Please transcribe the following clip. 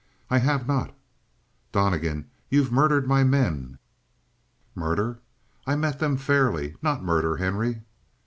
"I have not." "Donnegan, you've murdered my men!" "Murder? I've met them fairly. Not murder, Henry."